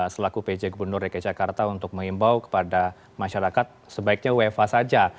selaku pj gubernur dki jakarta untuk mengimbau kepada masyarakat sebaiknya wfa saja